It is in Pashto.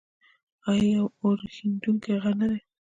آیا دا یو اورښیندونکی غر نه دی؟